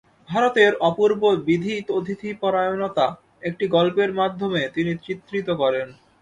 ভারতের অপূর্ব বিধি অতিথিপরায়ণতা একটি গল্পের মাধ্যমে তিনি চিত্রিত করেন।